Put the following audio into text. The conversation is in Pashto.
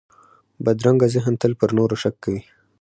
بدرنګه ذهن تل پر نورو شک کوي